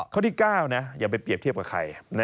ข้อที่๙อย่าไปเปรียบเทียบกับใคร